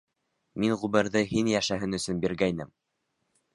— Мин ғүмерҙе һин йәшәһен өсөн биргәйнем.